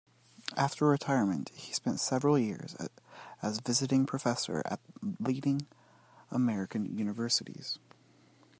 After retirement, he spent several years as visiting professor at leading American universities.